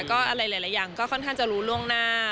ก็อะไรหลายอย่างก็ค่อนข้างจะรู้ล่วงหน้า